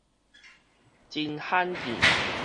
真罕見